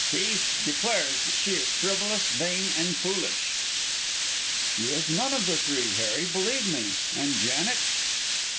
He declares that she is frivolous, vain and foolish." "She is none of the three, Harry, believe me. And Janet?"